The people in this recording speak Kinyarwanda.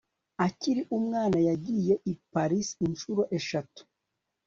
Akiri umwana yagiye i Paris inshuro eshatu